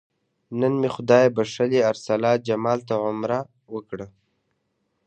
نن مې خدای بښلي ارسلا جمال ته عمره وکړه.